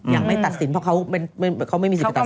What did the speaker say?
ยังไม่ตัดสินเพราะเขาไม่มีสิทธิตัดสิน